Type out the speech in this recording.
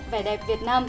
vè đẹp việt nam